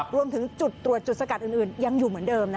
รวมถึงจุดตรวจจุดสกัดอื่นยังอยู่เหมือนเดิม